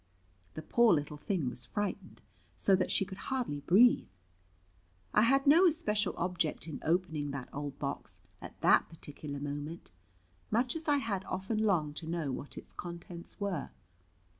The poor little thing was frightened so that she could hardly breathe. I had no especial object in opening that old box, at that particular moment, much as I had often longed to know what its contents were.